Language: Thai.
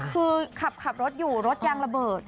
คือขับรถอยู่รถยางระเบิด